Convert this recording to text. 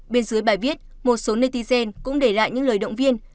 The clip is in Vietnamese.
bên dưới bài viết một số nơitgen cũng để lại những lời động viên